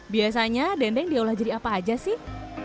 biasanya dendeng diolah jadi apa aja sih